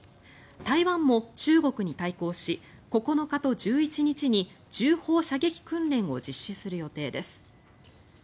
台湾も中国に対抗し９日と１１日に重砲射撃訓練を実施する予定です。